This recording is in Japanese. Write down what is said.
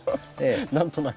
何となく。